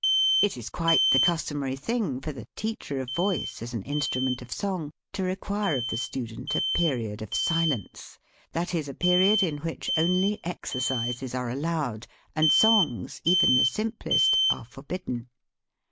It is quite the customary thing for the teacher of voice as an instrument of song to require of the student a period of silence that is, a period in which only exercises are allowed, and songs, even the simplest, are forbidden.